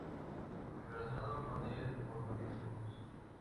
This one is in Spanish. Relacionado con el formalismo ruso.